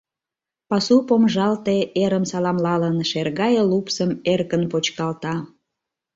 Пасу помыжалте, эрым саламлалын, шер гае лупсым эркын почкалта.